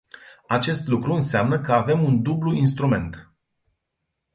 Acest lucru înseamnă că avem un dublu instrument.